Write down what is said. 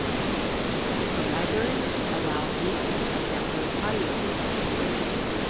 The library allows users to download audiobooks.